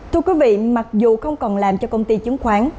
thưa quý vị mặc dù không còn làm cho công ty chứng khoán